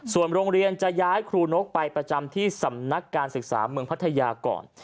ส่วนโรงเรียนจะย้ายครูนกไปประจำที่สำนักการศึกษาเมืองพัทยาก่อน